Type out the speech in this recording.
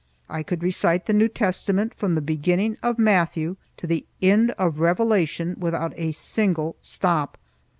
I could recite the New Testament from the beginning of Matthew to the end of Revelation without a single stop.